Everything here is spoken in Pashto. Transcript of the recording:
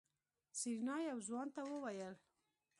سېرېنا يو ځوان ته وويل.